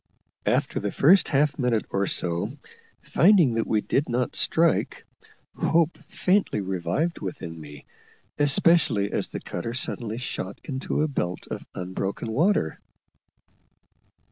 After the first half minute or so, finding that we did not strike, hope faintly revived within me, especially as the cutter suddenly shot into a belt of unbroken water.